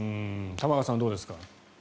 玉川さん、どうですか。